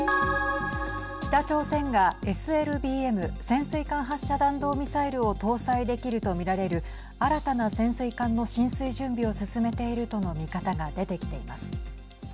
北朝鮮がＳＬＢＭ＝潜水艦発射弾道ミサイルを搭載できると見られる新たな潜水艦の進水準備を進めているとの見方が出てきています。